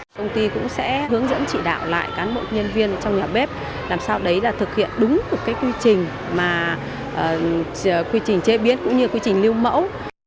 công ty cũng sẽ hướng dẫn chỉ đạo lại cán bộ nhân viên trong nhà bếp làm sao đấy là thực hiện đúng cái quy trình mà quy trình chế biến cũng như quy trình lưu mẫu